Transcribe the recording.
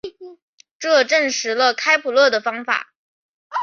这证实了开普勒的方法。